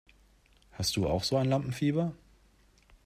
Hast du auch so ein Lampenfieber?